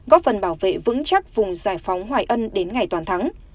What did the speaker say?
góp phần bảo vệ vững chắc vùng giải phóng hoài ân đến ngày toàn thắng